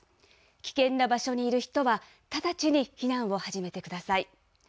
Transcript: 危険な場所にいる人は、直ちに避難を始めてください。